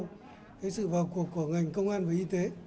cái sự vào cuộc của ngành công an và y tế